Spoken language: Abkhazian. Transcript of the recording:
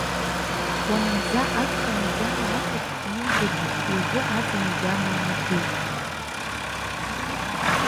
Уаанӡа аԥхын агьама акәызҭгьы илдыруаз, уажәы аӡын агьама лнарбеит.